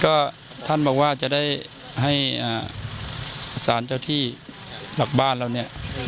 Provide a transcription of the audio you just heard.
ก็ท่านบอกว่าจะได้ให้สารเจ้าที่หลักบ้านเราเนี่ย